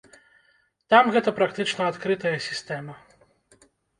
Там гэта практычна адкрытая сістэма.